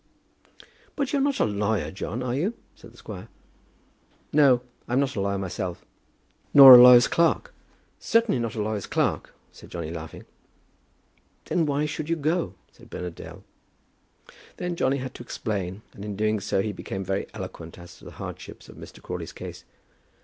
"But you're not a lawyer, John; are you?" said the squire. "No. I'm not a lawyer myself." "Nor a lawyer's clerk?" "Certainly not a lawyer's clerk," said Johnny, laughing. "Then why should you go?" asked Bernard Dale. Then Johnny had to explain; and in doing so he became very eloquent as to the hardships of Mr. Crawley's case.